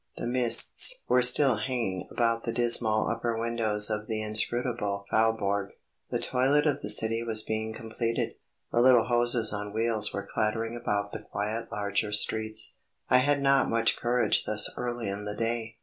The mists were still hanging about the dismal upper windows of the inscrutable Faubourg; the toilet of the city was being completed; the little hoses on wheels were clattering about the quiet larger streets. I had not much courage thus early in the day.